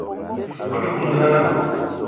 O te poun za na?